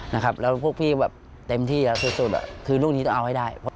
นะครับแล้วพวกพี่แบบเต็มที่สุดคือลูกนี้ต้องเอาให้ได้